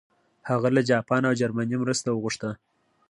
هغه له جاپان او جرمني مرسته وغوښته.